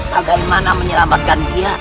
bagaimana menyelamatkan dia